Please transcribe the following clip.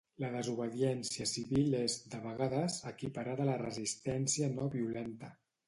La desobediència civil és, de vegades, equiparada a la resistència no violenta.